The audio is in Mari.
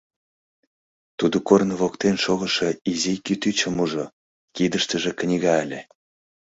Тудо корно воктен шогышо изи кӱтӱчым ужо, кидыштыже книга ыле.